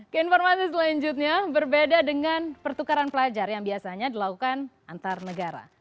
keinformasi selanjutnya berbeda dengan pertukaran pelajar yang biasanya dilakukan antar negara